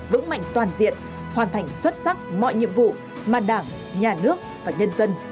vững mạnh toàn diện hoàn thành xuất sắc mọi nhiệm vụ mà đảng nhà nước và nhân dân